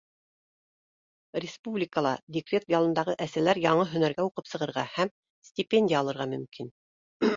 Республикала декрет ялындағы әсәләр яңы һөнәргә уҡып сығырға һәм стипендия алырға мөмкин.